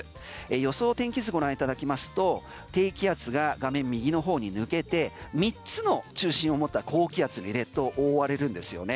予想天気図をご覧いただきますと低気圧が画面右の方に抜けて３つの中心を持った高気圧に列島は覆われるんですよね。